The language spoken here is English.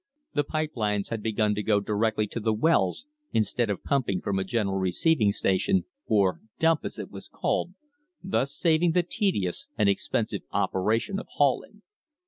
The pipe lines had begun to go directly to the wells instead of pumping from a general receiving station, or "dump," as it was called, thus saving the tedious and expensive operation of hauling.